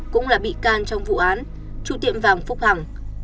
cũng là bị can trong vụ án trụ tiệm vàng phúc hằng